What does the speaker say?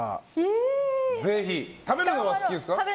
食べるのは好きですか？